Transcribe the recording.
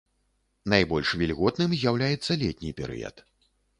Найбольш вільготным з'яўляецца летні перыяд.